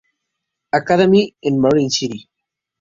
Academy" en Marin City.